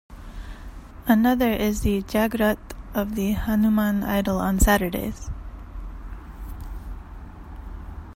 Another is the 'Jagrut' of the Hanuman Idol on Saturdays.